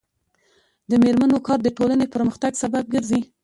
د میرمنو کار د ټولنې پرمختګ سبب ګرځي.